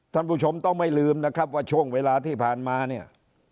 ท่านผู้ชมต้องไม่ลืมนะครับว่าช่วงเวลาที่ผ่านมาเนี่ย